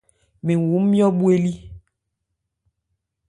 Mɛn wu nmjɔ́ bhwelí.